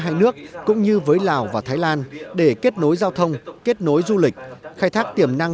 hai nước cũng như với lào và thái lan để kết nối giao thông kết nối du lịch khai thác tiềm năng